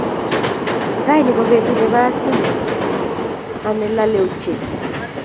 Raini ko betut ne bo asist a ne lolei ochei.